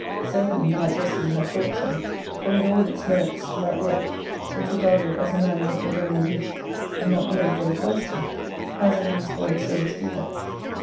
Certainly he might justly have thought so : for with all its merits that work, if regarded as a manual for general use, and not merely for the cloister, has at least one serious defect.